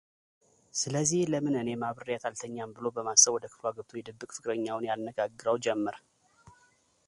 ስለዚህ ለምን እኔም አብሬያት አልተኛም ብሎ በማሰብ ወደ ክፍሏ ገብቶ የድብቅ ፍቅረኛዋን ያነጋግረው ጀመር፡፡